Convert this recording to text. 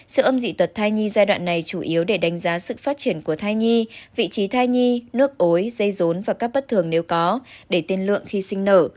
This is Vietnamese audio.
sự âm dị tật thai nhi giai đoạn này chủ yếu để đánh giá sự phát triển của thai nhi vị trí thai nhi nước ối dây rốn và các bất thường nếu có để tiên lượng khi sinh nở